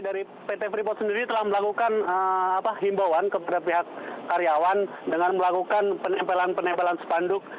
dari pt freeport sendiri telah melakukan himbauan kepada pihak karyawan dengan melakukan penempelan penempelan spanduk